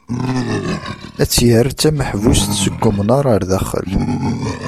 Ad tt-yerr d tameḥbust seg umnar ɣer daxel.